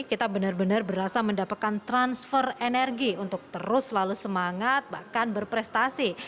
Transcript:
kita benar benar berasa mendapatkan transfer energi untuk terus selalu semangat bahkan berprestasi